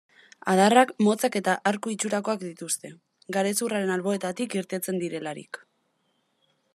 Adarrak motzak eta arku itxurakoak dituzte, garezurraren alboetatik irtetzen direlarik.